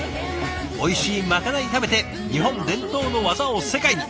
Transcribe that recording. おいしいまかない食べて日本伝統の技を世界に。